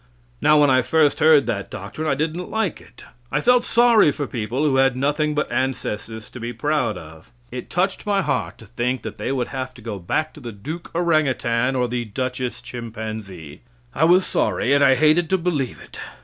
Now, when I first heard that doctrine, I didn't like it. I felt sorry for people who had nothing but ancestors to be proud of. It touched my heart to think that they would have to go back to the Duke Orangutan or the Duchess Chimpanzee. I was sorry, and I hated to believe it.